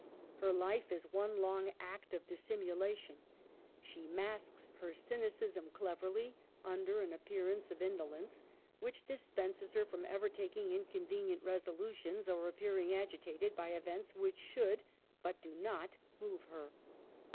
Her life is one long act of dissimu lation. She masks her cynicism cleverly, under an appearance of indolence, whicbdispenses her from ever taking inconvenient resolutions, or ap pearing agitated by events which should — but do not — move her.